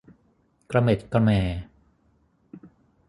กระเหม็ดกระแหม่